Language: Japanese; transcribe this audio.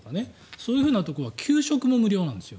そういうふうなところは給食も無料なんですよ。